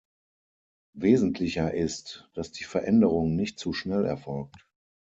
Wesentlicher ist, dass die Veränderung nicht zu schnell erfolgt.